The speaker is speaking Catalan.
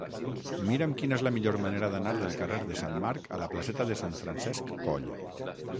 Mira'm quina és la millor manera d'anar del carrer de Sant Marc a la placeta de Sant Francesc Coll.